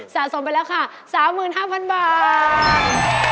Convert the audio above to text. สะสมไปแล้วค่ะ๓๕๐๐๐บาท